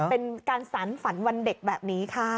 เป็นการสารฝันวันเด็กแบบนี้ค่ะ